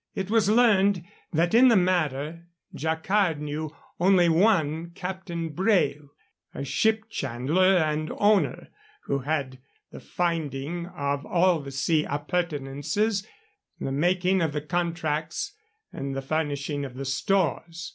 It was learned that in the matter Jacquard knew only one Captain Brail, a ship chandler and owner, who had the finding of all the sea appurtenances, the making of the contracts, and the furnishing of the stores.